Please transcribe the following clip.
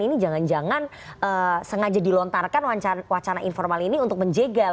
ini jangan jangan sengaja dilontarkan wacana informal ini untuk menjegal